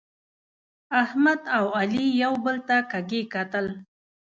احمد او علي یو بل ته کږي کتل.